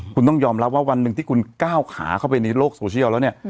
คุณต้องยอมรับว่าวันหนึ่งที่คุณก้าวขาเข้าไปในโลกโซเชียลแล้วเนี่ย